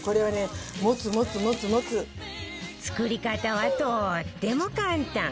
作り方はとっても簡単